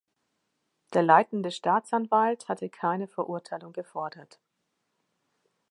Der leitende Staatsanwalt hatte keine Verurteilung gefordert.